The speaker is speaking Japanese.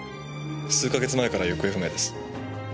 数か月前から行方不明です。